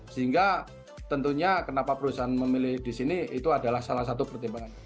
sehingga tentunya kenapa perusahaan memilih di sini itu adalah salah satu pertimbangan